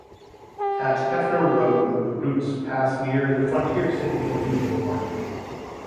At Hefner Road, the routes pass near the Frontier City amusement park.